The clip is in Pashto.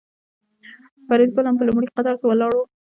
فریدګل هم په لومړي قطار کې ولاړ و